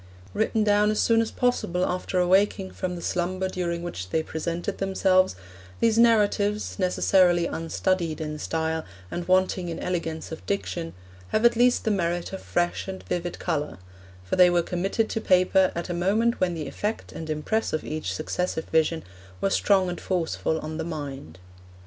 Written down as soon as possible after awaking from the slumber during which they presented themselves, these narratives, necessarily unstudied in style, and wanting in elegance of diction, have at least the merit of fresh and vivid colour; for they were committed to paper at a moment when the effect and impress of each successive vision were strong and forceful on the mind.